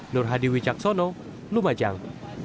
nur hadi wijaksono lumajang